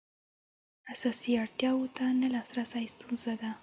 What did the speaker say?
اساسي اړتیاوو ته نه لاسرسی ستونزه ده.